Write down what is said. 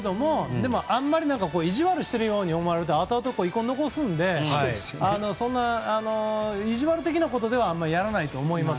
でも、あんまり意地悪しているように思われると後々、遺恨を残すのでそんな意地悪的なことではやらないと思います。